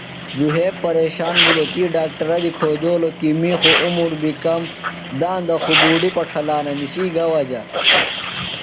ذُھیب پیرشان بِھلوۡ تی ڈاکٹرہ دی کھوجولوۡ کی می خوۡ عُمر بیۡ کام داندہ خوۡ بُوڈیۡ پڇھلانہ نِسی گہ وجہ۔